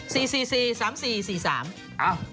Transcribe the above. สี่สี่สี่สามสี่สี่สามอ้าว